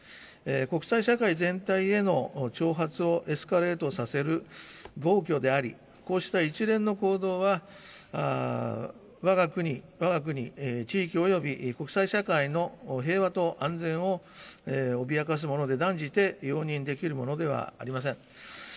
国際社会全体への挑発をエスカレートさせる暴挙であり、こうした一連の行動は、わが国地域および国際社会の平和と安全を脅かすもので、断じて容認できるものではありません。